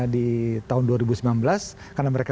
di tahun dua ribu sembilan belas karena mereka